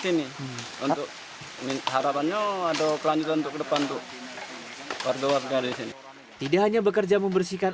sini untuk harapannya ada pelan untuk depan untuk perjuangan di sini tidak hanya bekerja membersihkan